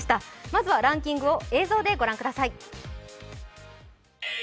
まずはランキングを映像で御覧ください。